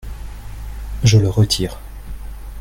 Je le retire.